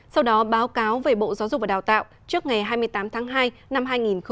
sau đó báo cáo về bộ giáo dục và đào tạo trước ngày hai mươi tám tháng hai năm hai nghìn hai mươi